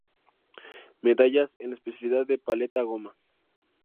Medallas en la especialidad de paleta goma.